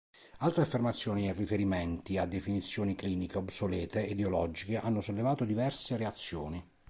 Altre affermazioni e riferimenti a definizioni cliniche obsolete e ideologiche hanno sollevato diverse reazioni.